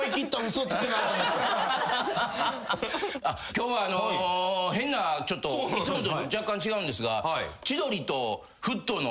今日は変なちょっといつもと若干違うんですが。